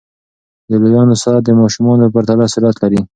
د لویانو ساعت د ماشومانو په پرتله سرعت لري.